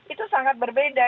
itu sangat berbeda